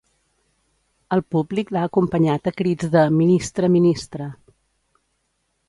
El públic l’ha acompanyat a crits de ‘ministre, ministre’.